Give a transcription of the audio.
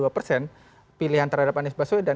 empat puluh dua persen pilihan terhadap anies baswedan